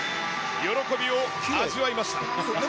喜びを味わいました。